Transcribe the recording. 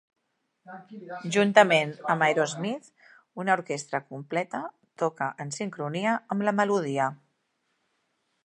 Juntament amb Aerosmith, una orquestra completa toca en sincronia amb la melodia.